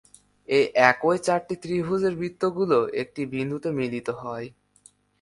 এই একই চারটি ত্রিভুজের বৃত্তগুলো একটি বিন্দুতে মিলিত হয়।